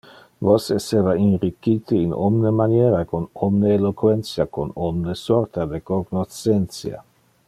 Vos esseva inricchite in omne maniera con omne eloquentia, con omne sorta de cognoscentia.